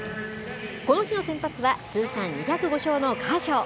この日の先発は、通算２０５勝のカーショー。